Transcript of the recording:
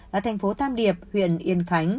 là thành phố tam điệp huyện yên khánh